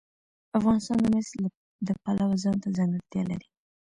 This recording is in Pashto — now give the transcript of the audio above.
افغانستان د مس د پلوه ځانته ځانګړتیا لري.